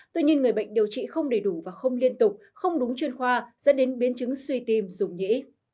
tuy nhiên người bệnh điều trị không đầy đủ và không liên tục không đúng chuyên khoa dẫn đến biến chứng suy tim dùng nhĩ